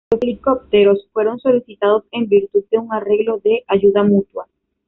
Los helicópteros fueron solicitados en virtud de un arreglo de ayuda mutua.